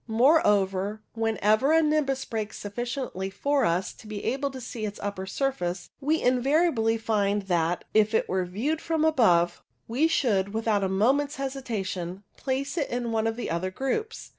Moreover, whenever a nimbus breaks sufficiently for us to be able to see its upper surface, we invariably find that, if it were viewed from above, we should, without a moment's hesitation, place it in one of the other groups.